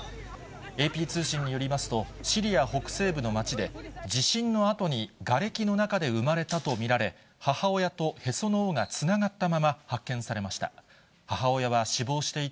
ＡＰ通信によりますと、シリア北西部の町で、地震のあとに、がれきの中で生まれたと見られ、母親とへその緒がつながったまま発見されました。